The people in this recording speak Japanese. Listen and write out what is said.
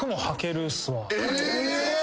え！？